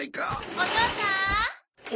お父さん！